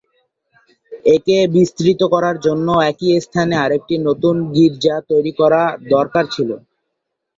একে বিস্তৃত করার জন্য একই স্থানে আরেকটি নতুন গীর্জা তৈরীর দরকার ছিল।